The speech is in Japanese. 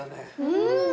うん。